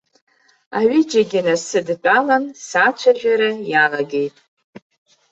Аҩыџьагьы насыдтәалан, сацәажәара иалагеит.